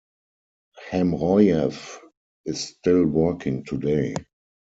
Hamroyev is still working today.